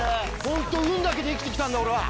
ホント運だけで生きてきたんだ俺は。